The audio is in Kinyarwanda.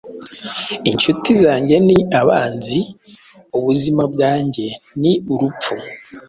inshuti zanjye ni abanzi; ubuzima bwanjye ni urupfu